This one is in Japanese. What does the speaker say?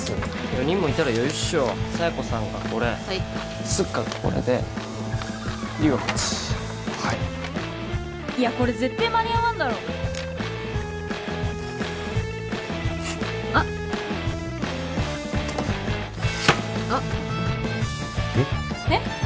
４人もいたら余裕っしょ佐弥子さんがこれはいスッカがこれで龍はこっちはいいやこれぜってー間に合わんだろあっあっえっ？